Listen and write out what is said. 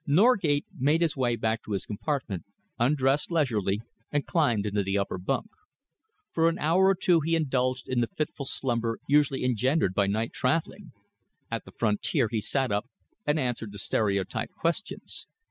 Norgate made his way back to his compartment, undressed leisurely and climbed into the upper bunk. For an hour or two he indulged in the fitful slumber usually engendered by night travelling. At the frontier he sat up and answered the stereotyped questions.